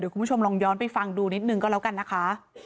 คุณผู้ชมลองย้อนไปฟังดูนิดนึงก็แล้วกันนะคะ